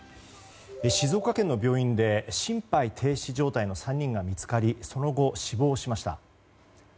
静岡県の病院で心肺停止状態の３人が見つかりその後死亡しました。